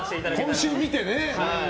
今週を見てね。